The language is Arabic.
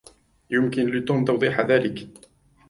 يمكن لتوم توضيح ذلك.